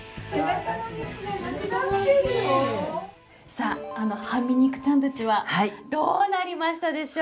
さああのはみ肉ちゃんたちはどうなりましたでしょうか？